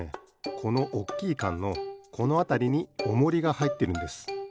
このおっきいカンのこのあたりにオモリがはいってるんです。